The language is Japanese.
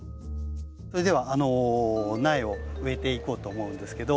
それでは苗を植えていこうと思うんですけど。